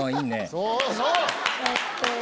そうそう！